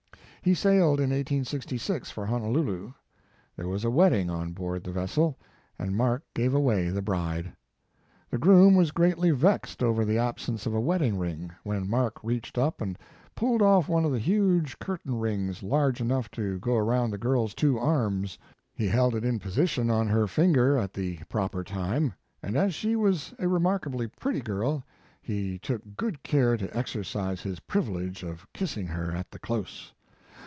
He sailed in 1866 for Honolulu. There was a wedding on board the vessel, and Mark gave away the bride. The groom was greatly vexed over the absence of a wedding ring, when Mark reached up and pulled off one of the huge curtain rings large enough to go around the girl s two arms. He held it in position on her finger at the proper time, and as she was a remarkably pretty girl he took good care to exercise his privilege of kissing her at the close.